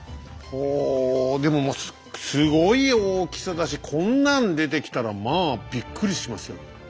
ほうでもますごい大きさだしこんなん出てきたらまあびっくりしますよ。